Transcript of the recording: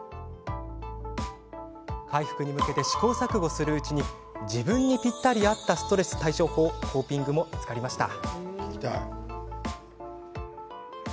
回復に向けて試行錯誤するうちに自分にぴったり合ったストレス対処法、コーピングも見つかりました。